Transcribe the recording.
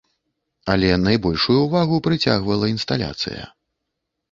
Але найбольшую ўвагу прыцягвала інсталяцыя.